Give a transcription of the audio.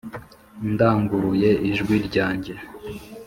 ndanguruye ijwi ryanjye